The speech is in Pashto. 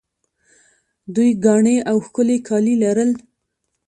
دوی ګاڼې او ښکلي کالي لرل